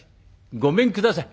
ごめんください」。